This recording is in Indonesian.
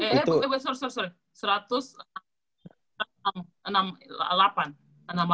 seratus lapan dua smp ya